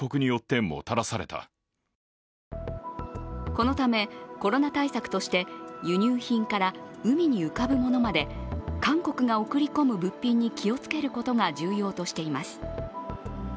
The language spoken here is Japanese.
このためコロナ対策として輸入品から海に浮かぶものまで韓国が送り込む物品に気をつけることが重要としています。